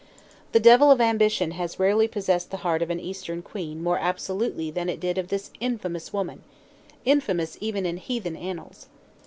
The devil of ambition has rarely possessed the heart of an Eastern queen more absolutely than it did that of this infamous woman, infamous even in heathen annals.